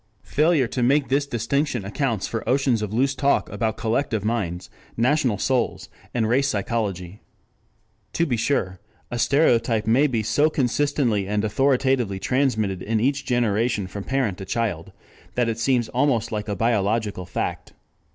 Failure to make this distinction accounts for oceans of loose talk about collective minds, national souls, and race psychology. To be sure a stereotype may be so consistently and authoritatively transmitted in each generation from parent to child that it seems almost like a biological fact.